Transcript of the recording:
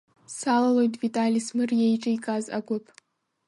Салалоит Витали Смыр еиҿикааз агәыԥ.